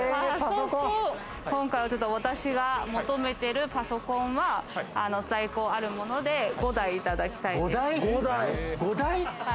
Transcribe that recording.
今回、私が求めてるパソコンは、在庫あるもので５台いただきたい。